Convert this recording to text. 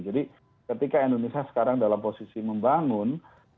jadi ketika indonesia sekarang dalam posisi membangun